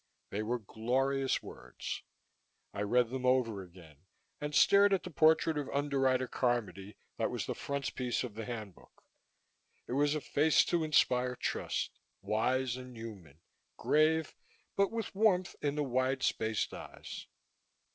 _ They were glorious words. I read them over again, and stared at the portrait of Underwriter Carmody that was the frontispiece of the handbook. It was a face to inspire trust wise and human, grave, but with warmth in the wide spaced eyes.